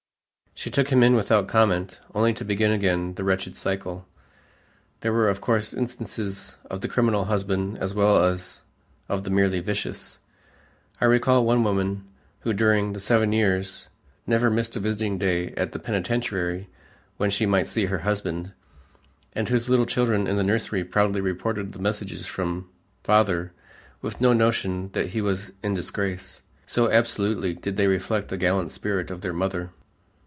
She took him in without comment, only to begin again the wretched cycle. There were of course instances of the criminal husband as well as of the merely vicious. I recall one woman who, during seven years, never missed a visiting day at the penitentiary when she might see her husband, and whose little children in the nursery proudly reported the messages from father with no notion that he was in disgrace, so absolutely did they reflect the gallant spirit of their mother.